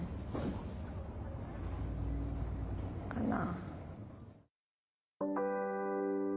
かな。